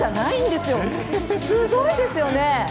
すごいですよね。